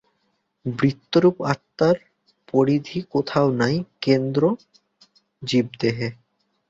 বৃত্তরূপ আত্মার পরিধি কোথাও নাই, কেন্দ্র জীবদেহে।